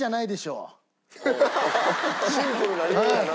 シンプルな理由やな。